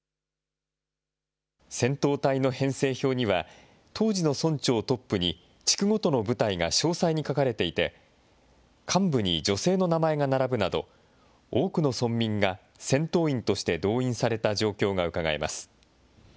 戦闘隊の編成表には、当時の村長をトップに地区ごとの部隊が詳細に書かれていて、幹部に女性の名前が並ぶなど、多くの村民が戦闘員として動員された状況がうかがえます。